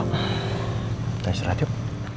kita istirahat yuk